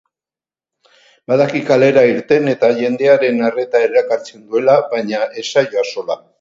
Badaki kalera irten eta jendearen arreta erakartzen duela, baina ez zaio axola.